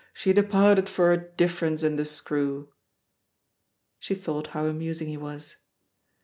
She departed for a difference in the screw!'' She thought how amusing he was.